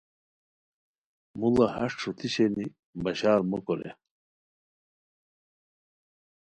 موڑا ہݰ ݯھوتیشینی بشار مو کورے